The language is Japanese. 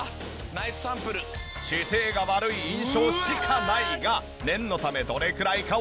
ナイスサンプル」姿勢が悪い印象しかないが念のためどれくらいかをチェック。